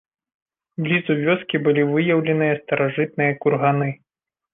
Блізу вёскі былі выяўленыя старажытныя курганы.